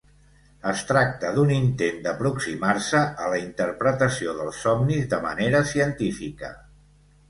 Es tracta d'un intent d'aproximar-se a la interpretació dels somnis de manera científica.